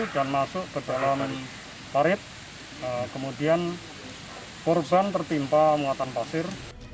dan masuk ke dalam parit kemudian korban tertimpa muatan pasir